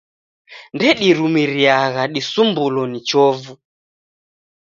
Ndedirumiriagha disumbulo ni chovu.